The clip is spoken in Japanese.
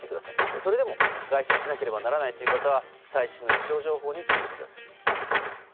それでも外出しなければならない方は最新の気象情報に注意してください。